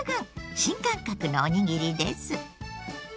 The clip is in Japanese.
新感覚のおにぎりです。